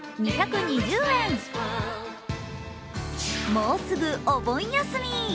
もうすぐお盆休み。